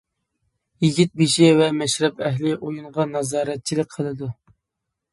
يىگىتبېشى ۋە مەشرەپ ئەھلى ئويۇنغا نازارەتچىلىك قىلىدۇ.